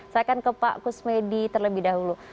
saya akan ke pak kusmedi terlebih dahulu